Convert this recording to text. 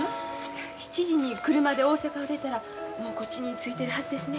７時に車で大阪を出たらもうこっちに着いてるはずですね。